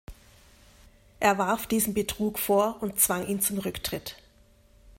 Er warf diesem Betrug vor und zwang ihm zum Rücktritt.